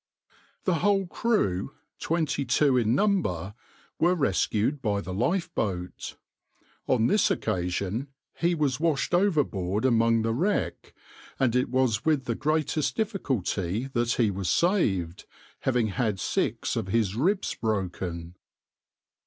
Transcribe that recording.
The whole crew, twenty two in number, were rescued by the lifeboat. On this occasion he was washed overboard among the wreck, and it was with the greatest difficulty that he was saved, having had six of his ribs broken.